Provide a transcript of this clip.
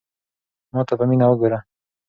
ما ته په مینه وگوره.